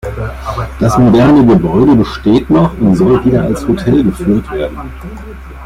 Das moderne Gebäude besteht noch und soll wieder als Hotel geführt werden.